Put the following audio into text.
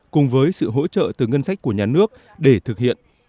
cùng với sự hỗ trợ từng loại đối tượng